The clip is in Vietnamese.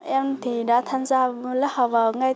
em thì đã tham gia lớp học